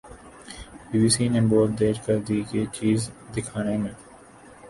Be B C نے بہت دیر کردی یہ چیز دکھانے میں۔